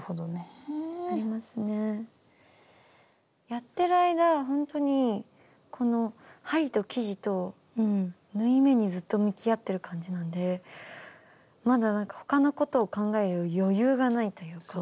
やってる間ほんとにこの針と生地と縫い目にずっと向き合ってる感じなんでまだなんか他のことを考える余裕がないというか。